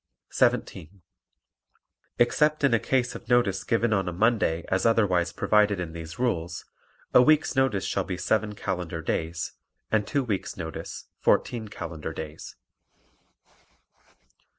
17. Except in a case of notice given on Monday as otherwise provided in these rules, a week's notice shall be seven calendar days and two weeks' notice fourteen calendar days.